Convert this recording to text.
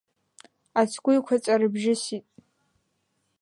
Ацгәы еиқәаҵәа рыбжьысит.